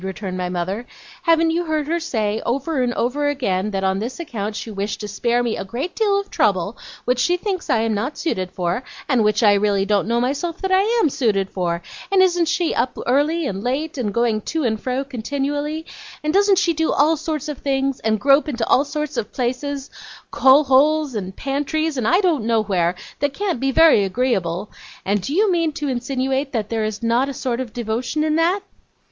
returned my mother. 'Haven't you heard her say, over and over again, that on this account she wished to spare me a great deal of trouble, which she thinks I am not suited for, and which I really don't know myself that I AM suited for; and isn't she up early and late, and going to and fro continually and doesn't she do all sorts of things, and grope into all sorts of places, coal holes and pantries and I don't know where, that can't be very agreeable and do you mean to insinuate that there is not a sort of devotion in that?